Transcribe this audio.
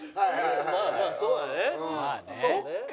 まあまあそうだね。